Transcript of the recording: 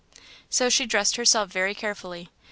So she dressed herself very carefully.